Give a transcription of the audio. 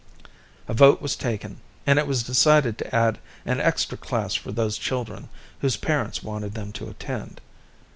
A vote was taken, and it was decided to add an extra class for those children whose parents wanted them to attend.